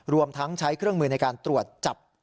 ดังใช้เครื่องมือในการบรับจับ